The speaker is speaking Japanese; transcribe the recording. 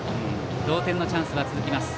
同点のチャンスが続きます。